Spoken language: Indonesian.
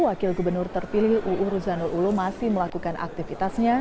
wakil gubernur terpilih uu ruzanul ulum masih melakukan aktivitasnya